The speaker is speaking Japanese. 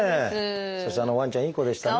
そしてあのワンちゃんいい子でしたね。